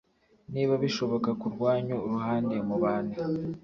niba bishoboka ku rwanyu ruhande mubane